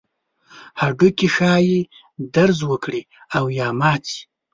هډوکي ښایي درز وکړي او یا مات شي.